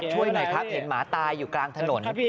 ช่วยหน่อยครับเห็นหมาตายอยู่กลางถนน